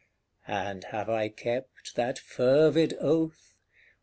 And have I kept that fervid oath?